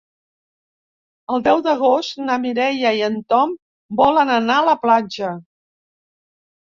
El deu d'agost na Mireia i en Tom volen anar a la platja.